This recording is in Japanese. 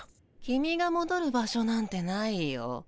キミがもどる場所なんてないよ。